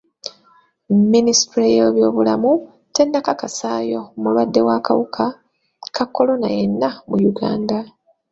Minisitule y'ebyobulamu tennakakasayo mulwadde w'akawuka ka kolona yenna mu Uganda.